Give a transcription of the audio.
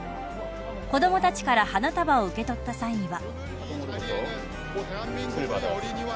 子どもたちから花束を受け取った際には。